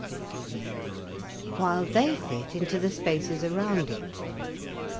56), while they fit into the spaces around it.